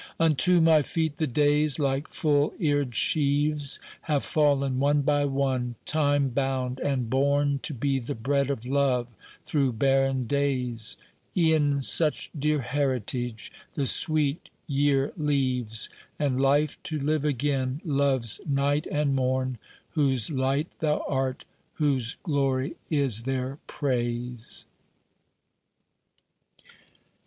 Unto my feet the days, like full eared sheaves, Have fallen, one by one, time bound and borne To be the bread of Love through barren days; E'en such dear heritage the sweet year leaves, And life to live again Love's night and morn Whose light thou art, whose glory is their praise.